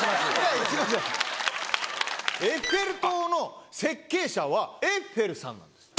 エッフェル塔の設計者はエッフェルさんなんです。